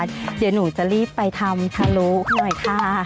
เดี๋ยวหนูจะรีบไปทำถ้ารุโอ้ค่ะ